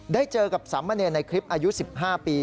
ได้เจอกับสามเณรในคลิปอายุ๑๕ปี